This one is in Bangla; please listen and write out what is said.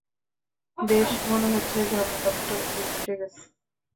বেশ, মনে হচ্ছে ঝামেলা মোটামুটি মিটে গেছে।